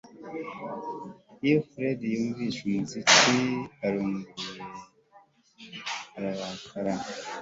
Iyo Fred yumvise umuziki uranguruye ararakara